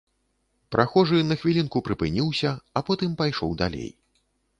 Прахожы на хвілінку прыпыніўся, а потым пайшоў далей.